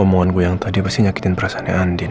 mohon gue yang tadi pasti nyakitin perasaannya andin